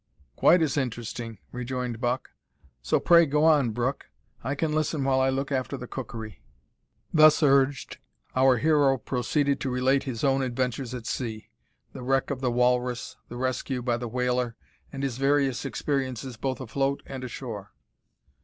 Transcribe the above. "Quite as interesting," rejoined Buck; "so pray go on, Brooke. I can listen while I look after the cookery." Thus urged, our hero proceeded to relate his own adventures at sea the wreck of the Walrus, the rescue by the whaler, and his various experiences both afloat and ashore.